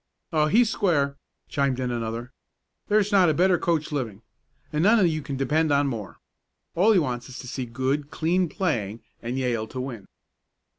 "Oh, he's square," chimed in another. "There's not a better coach living, and none you can depend on more. All he wants is to see good, clean playing, and Yale to win."